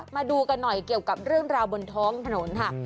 มาดูกันหน่อยเกี่ยวกับเรื่องราวบนท้องถนนค่ะ